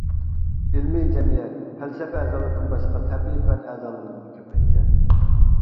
ئىلمىي جەمئىيەت پەلسەپە ئەزالىرىدىن باشقا، تەبىئىي پەن ئەزالىرىنىمۇ كۆپەيتكەن.